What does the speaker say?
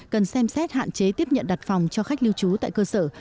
cần xem xét hạn chế tiếp nhận đặt phòng cho khách lưu trú tại cơ sở